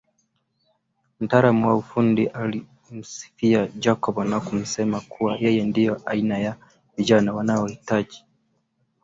Mtaalamu wa ufundi alimsifia Jacob na kusema kuwa yeye ndio aina ya vijana anawahitaji